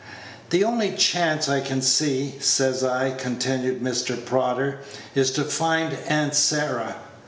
"The only chance I can see, ses I," continued Mr. Prodder, "is to find Aunt Sarah.